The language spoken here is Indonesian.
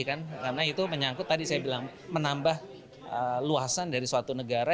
karena itu menyangkut tadi saya bilang menambah luasan dari suatu negara